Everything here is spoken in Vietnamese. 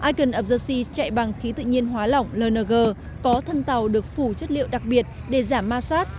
icon of the sea chạy bằng khí tự nhiên hóa lỏng lng có thân tàu được phủ chất liệu đặc biệt để giảm ma sát